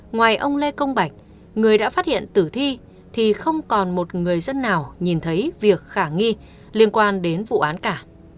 ngoài ông lê công bạch người đã phát hiện tử thi thì không còn một người dân nào nhìn thấy việc khả nghi liên quan đến vụ án cả